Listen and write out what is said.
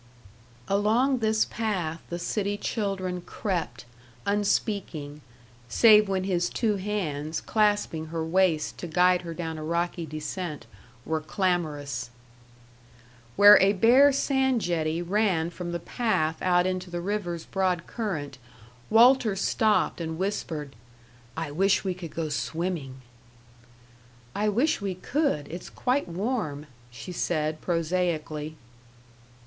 Along this path the city children crept, unspeaking, save when his two hands, clasping her waist to guide her down a rocky descent, were clamorous. Where a bare sand jetty ran from the path out into the river's broad current, Walter stopped and whispered, "I wish we could go swimming." "I wish we could it's quite warm," she said, prosaically.